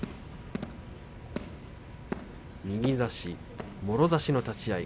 右差し、もろ差しの立ち合い。